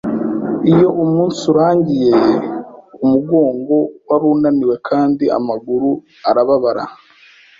Iyo umunsi urangiye, umugongo wari unaniwe kandi amaguru arababara.